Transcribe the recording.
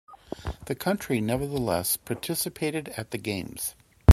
The country nevertheless participated at the Games.